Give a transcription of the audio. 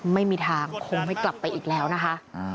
ไม่มีทางคงไม่กลับไปอีกแล้วนะคะ